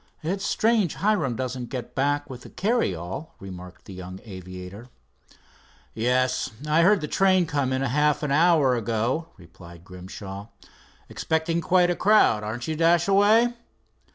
"It's strange Hiram doesn't get back with the carryall," remarked the young aviator. "Yes, I heard the train come in half an hour ago," replied Grimshaw. "Expecting quite a crowd, aren't you, Dashaway?"